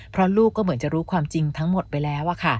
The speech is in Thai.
เพราะลูกก็เหมือนจะรู้ความจริงทั้งหมดไปแล้ว